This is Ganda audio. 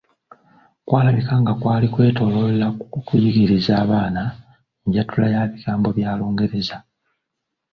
Kwalabika nga kwali kwetoloololera ku kuyigiriza abaana njatula ya bigambo bya Lungereza.